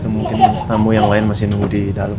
mungkin tamu yang lain masih nunggu di dalam